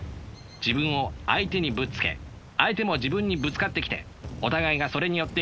自分を相手にぶつけ相手も自分にぶつかってきてお互いがそれによって生きる。